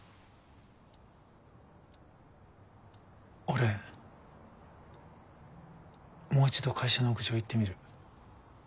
俺もう一度会社の屋上行ってみる。